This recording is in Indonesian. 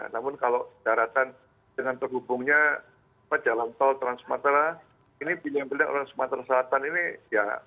namun kalau daratan dengan terhubungnya pak jalan tol trans sumatera ini pilihan pilihan orang sumatera selatan ini ya mereka